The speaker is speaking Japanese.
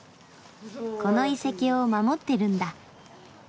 この遺跡を守ってるんだ。